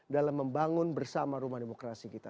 dalam membangun bersama rumah demokrasi kita